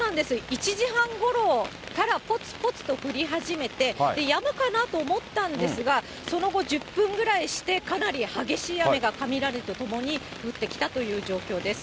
１時半ごろからぽつぽつと降り始めて、やむかなと思ったんですが、その後１０分ぐらいしてかなり激しい雨が雷とともに降ってきたという状況です。